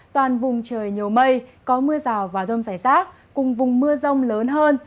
toàn vùng trời nhiều mây có mưa rào và rông rải rác cùng vùng mưa rông lớn hơn